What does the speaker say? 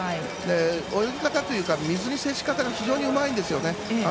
泳ぎ方というか水への接し方が非常にうまいんですね。